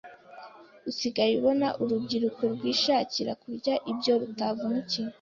usigaye ubona urubyiruko rwishakira kurya ibyo rutavunikiye